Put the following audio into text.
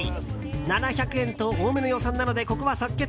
７００円と多めの予算なのでここは即決。